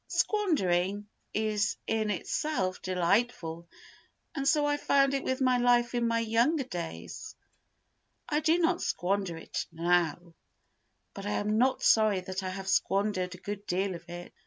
Squandering is in itself delightful, and so I found it with my life in my younger days. I do not squander it now, but I am not sorry that I have squandered a good deal of it.